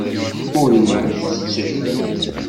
Ur iyi-tettejjmem.